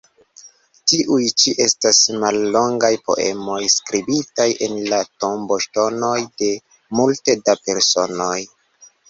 Tiuj ĉi estas mallongaj poemoj skribitaj en la tomboŝtonoj de multe da personoj.